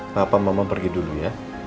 kenapa mama pergi dulu ya